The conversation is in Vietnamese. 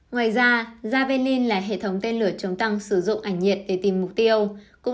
ngoài ra jabain là hệ thống tên lửa chống tăng sử dụng ảnh nhiệt để tìm mục tiêu